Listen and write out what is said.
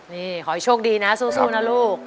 นี่ขอให้โชคดีนะสู้นะลูก